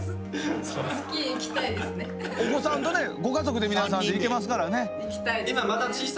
お子さんとねご家族で皆さんで行けますからね。